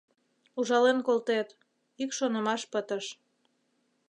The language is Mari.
Ужален колтет — ик шонымаш пытыш.